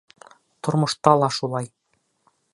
Тормошта ла шулай.